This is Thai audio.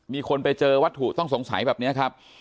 มีคนไปเจอวัตถุต้องสงสัยแบบนี้ครับ